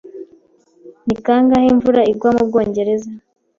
Ni kangahe imvura igwa mu Bwongereza?